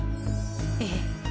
ええ。